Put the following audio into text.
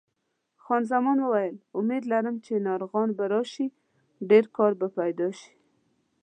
خان زمان وویل: امید لرم چې ناروغان به راشي، ډېر کار به پیدا شي.